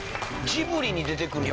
ジブリに出てくる。